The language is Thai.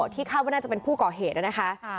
ที่เข้าจากว่าน่าจะเป็นผู้เกาะเหตุนะคะ